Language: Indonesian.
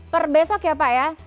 per besok ya pak ya